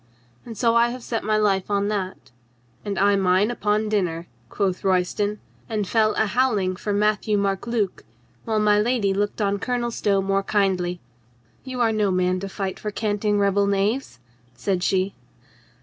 And so I have set my life on that." "And I mine upon dinner," quoth Royston, and fell a howling for Matthieu Marc Luc, while my lady looked on Colonel Stow more kindly. "You are no man to fight for canting rebel knaves," said she.